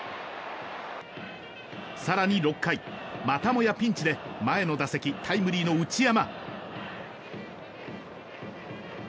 更に６回またもやピンチで前の打席タイムリーの内山。